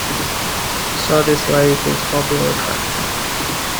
Sardis Lake is a popular attraction.